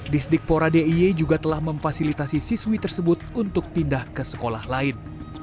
disdikpora diy juga telah memfasilitasi siswi tersebut untuk pindah ke sekolah lain